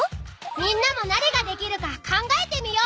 みんなも何ができるか考えてみよう。